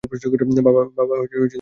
বাবা, আমি দুঃখিত।